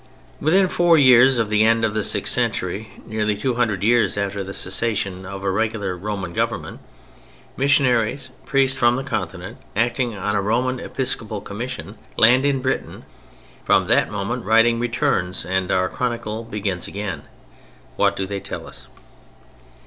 Within four years of the end of the sixth century, nearly two hundred years after the cessation of regular Roman government, missionary priests from the Continent, acting on a Roman episcopal commission, land in Britain; from that moment writing returns and our chronicles begin again. What do they tell us?